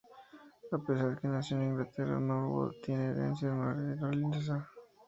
A pesar que nació en Inglaterra, Norwood tiene herencia norirlandesa.